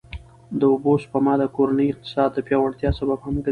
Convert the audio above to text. د اوبو سپما د کورني اقتصاد د پیاوړتیا سبب هم ګرځي.